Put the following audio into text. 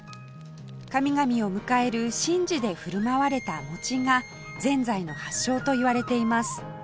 神々を迎える神事で振る舞われた餅がぜんざいの発祥といわれています